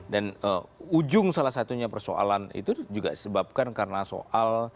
dan ujung salah satunya persoalan itu juga disebabkan karena soal